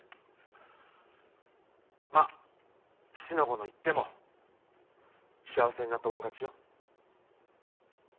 まぁ四の五の言っても幸せになったもん勝ちよ。